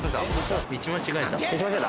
道間違えた？